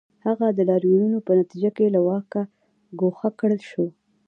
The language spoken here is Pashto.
هغه د لاریونونو په نتیجه کې له واکه ګوښه کړل شو.